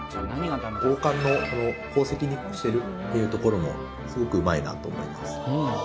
王冠のこの宝石にしてるっていうところもすごくうまいなと思います。